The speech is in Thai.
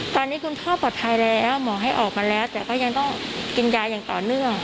ตอนนี้คุณพ่อปลอดภัยแล้วหมอให้ออกมาแล้วแต่ก็ยังต้องกินยาอย่างต่อเนื่อง